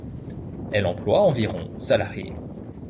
Elle emploie environ salariés.